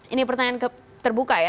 ini pertanyaan terbuka ya